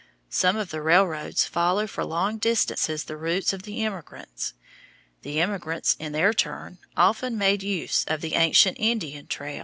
Some of the railroads follow for long distances the routes of the emigrants. The emigrants, in their turn, often made use of the ancient Indian trails.